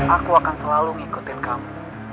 aku akan selalu ngikutin kamu